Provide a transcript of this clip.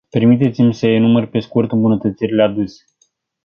Permiteți-mi să enumăr pe scurt îmbunătățirile aduse.